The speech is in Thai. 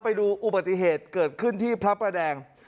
ไปดูอุบัติเหตุเกิดขึ้นที่พระประแดง